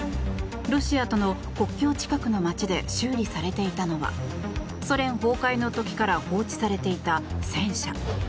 ロシアとの国境近くの街で修理されていたのはソ連崩壊の時から放置されていた戦車。